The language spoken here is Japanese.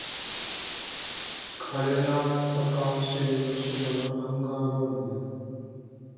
カルナータカ州の州都はバンガロールである